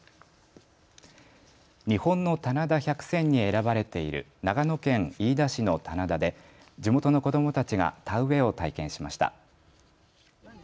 日本の棚田百選に選ばれている長野県飯田市の棚田で地元の子どもたちが田植えを体験しました。